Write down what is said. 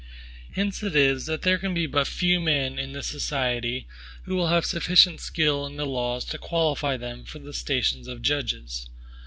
Hence it is, that there can be but few men in the society who will have sufficient skill in the laws to qualify them for the stations of judges.